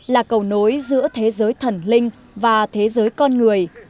là cầu nối giữa thế giới thần linh và thế giới con người